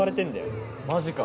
マジか。